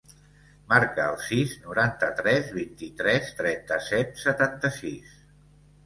Marca el sis, noranta-tres, vint-i-tres, trenta-set, setanta-sis.